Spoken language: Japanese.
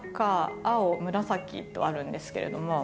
とあるんですけれども。